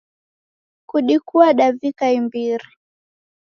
Kudikua davika imbiri